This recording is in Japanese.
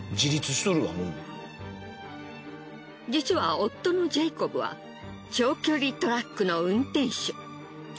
実は夫のジェイコブは長距離トラックの運転手。